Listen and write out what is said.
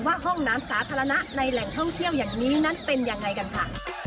ห้องน้ำสาธารณะในแหล่งท่องเที่ยวอย่างนี้นั้นเป็นยังไงกันค่ะ